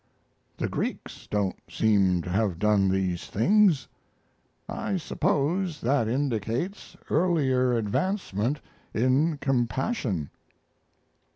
The Greeks don't seem to have done these things. I suppose that indicates earlier advancement in compassion."